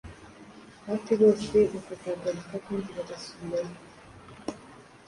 hafi bose bakazagaruka kandi bagasubirayo.